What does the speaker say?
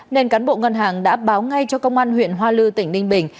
nên cán bộ ngân hàng đã báo ngay cho công an huyện hoa lư tỉnh ninh bình